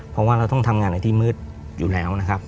เพราะว่าเราต้องทำงานในที่มืดอยู่แล้วนะครับ